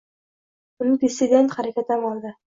unda “dissident” harakati amalda